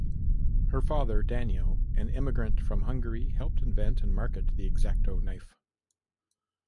Her father, Daniel, an immigrant from Hungary, helped invent and market the X-Acto Knife.